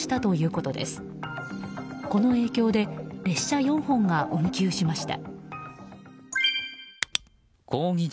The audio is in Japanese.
この影響で列車４本が運休しました。